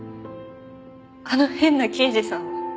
あの変な刑事さんは？